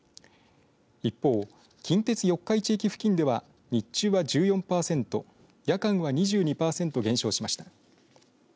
一方、近鉄四日市駅付近では日中は１４パーセント夜間は２２パーセント減少しました。